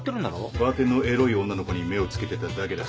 バーテンのエロい女の子に目を付けてただけだ。